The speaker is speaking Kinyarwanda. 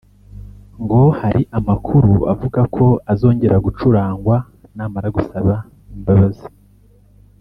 ngo hari amakuru avuga ko azongera gucurangwa namara gusaba imbabazi